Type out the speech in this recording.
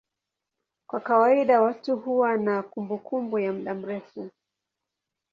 Kwa kawaida watu huwa na kumbukumbu ya muda mrefu.